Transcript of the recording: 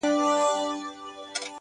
داده غاړي تعويزونه زما بدن خوري،